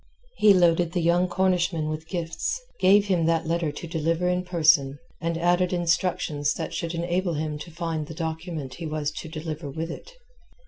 He loaded the young Cornishman with gifts, gave him that letter to deliver in person, and added instructions that should enable him to find the document he was to deliver with it.